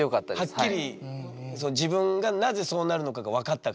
はっきり自分がなぜそうなるのかが分かったから。